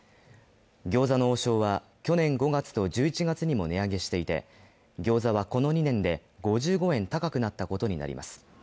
餃子の王将は去年５月と１１月にも値上げしていて餃子はこの２年で５５円高くなったことになります。